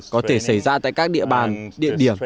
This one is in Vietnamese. có thể xảy ra tại các địa bàn địa điểm